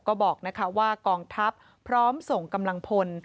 ก็บอกว่ากองทัพพร้อมส่งกำลังพล